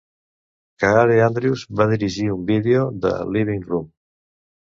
Kaare Andrews va dirigir un vídeo de "Living Room".